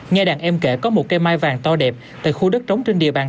nghe đàn em kể có một cây mai vàng to đẹp tại khu đất trống trên địa bàn